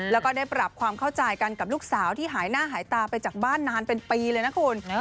แล้วก็ได้ปรับความเข้าใจกันกับลูกสาวที่หายหน้าหายตาไปจากบ้านนานเป็นปีเลยนะคุณ